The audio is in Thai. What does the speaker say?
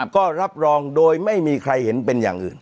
ก็รับรองโดยไม่มีใครเห็นเป็นอย่างอื่น